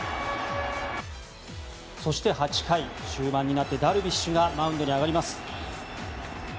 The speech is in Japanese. そして８回、終盤になってダルビッシュがマウンドに上がります。